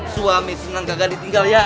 suami senang gagal ditinggal ya